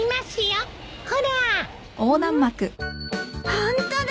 ホントだ！